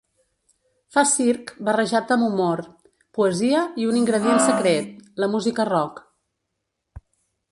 Fa circ, barrejat amb humor, poesia i un ingredient secret: la música rock.